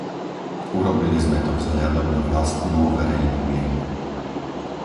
Urobili sme to vzhľadom na vlastnú verejnú mienku.